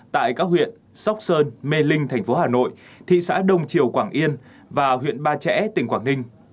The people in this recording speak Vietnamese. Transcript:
tại các huyện sóc sơn mê linh thành phố hà nội thị xã đông triều quảng yên và huyện ba trẻ tỉnh quảng ninh